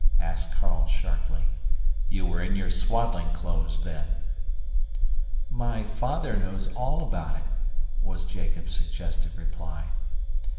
asked Carl sharply. "You were in your swaddling clothes then." "My father knows all about it" was Jacob's suggestive reply.